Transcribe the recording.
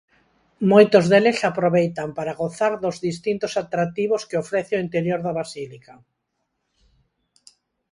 Moitos deles aproveitan para gozar dos distintos atractivos que ofrece o interior da basílica.